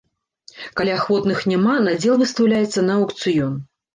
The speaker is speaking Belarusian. Калі ахвотных няма, надзел выстаўляецца на аўкцыён.